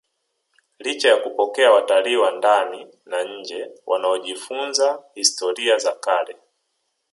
licha ya kupokea watalii wa ndani na nje wanaojifunza historia za kale